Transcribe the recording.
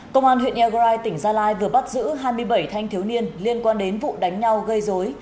công an huyện earai tỉnh gia lai vừa bắt giữ hai mươi bảy thanh thiếu niên liên quan đến vụ đánh nhau gây dối